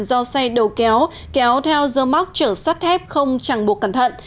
do xe đầu kéo kéo theo dơ móc trở sắt thép không chẳng buộc cẩn thận